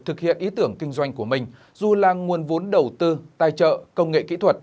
thực hiện ý tưởng kinh doanh của mình dù là nguồn vốn đầu tư tài trợ công nghệ kỹ thuật